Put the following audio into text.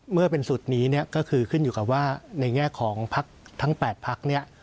เมื่อเป็นสูตรนี้เนี่ยก็คือขึ้นอยู่กับว่าในแง่ของพักทั้ง๘พักเนี่ย